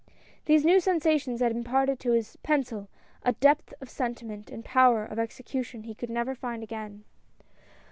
These new sensations had imparted to his pencil a depth of sentiment and power of execution he could never find again.